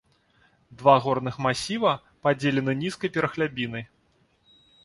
Два горных масіва, падзеленых нізкай перахлябінай.